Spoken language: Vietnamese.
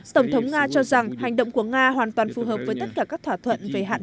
tổng thống nga cho rằng hành động của nga hoàn toàn phù hợp với tất cả các thỏa thuận về hạn